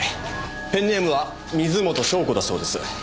ペンネームは水元湘子だそうです。